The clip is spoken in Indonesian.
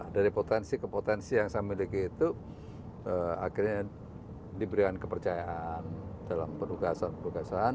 dari potensi ke potensi yang saya miliki itu akhirnya diberikan kepercayaan dalam penugasan penugasan